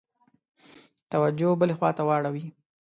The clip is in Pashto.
توجه بلي خواته واړوي.